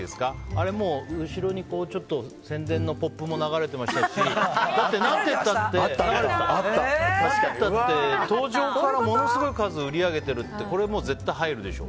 あれ、後ろに宣伝のポップも流れてましたし何て言ったって登場からものすごい数を売り上げてるってこれは絶対入るでしょ。